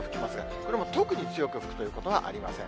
これも特に強く吹くということはありません。